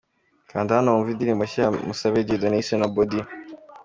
Kanda hano wumve indirimbo nshya ya Musabe Dieudonne yise 'Nobody'.